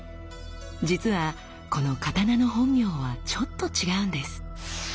実はこの刀の本名はちょっと違うんです。